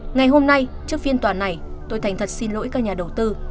ngày hôm nay trước phiên tòa này tôi thành thật xin lỗi các nhà đầu tư